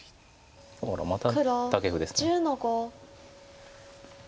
あらまたタケフです。